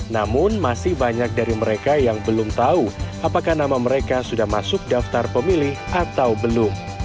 namun masih banyak dari mereka yang belum tahu apakah nama mereka sudah masuk daftar pemilih atau belum